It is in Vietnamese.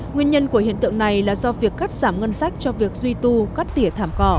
nguyên nhân của hiện tượng này là do việc cắt giảm ngân sách cho việc duy tu cắt tỉa thảm cỏ